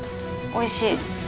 おいしい。